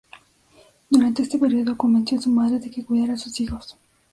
Durante este periodo convenció a su madre de que cuidara a sus hijos.